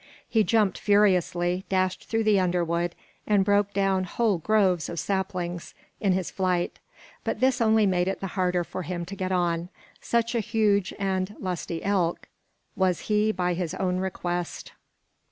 He jumped furiously, dashed through the underwood, and broke down whole groves of saplings in his flight. But this only made it the harder for him to get on, such a huge and lusty elk was he by his own request.